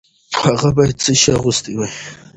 هغه باید څه شی اغوستی وای؟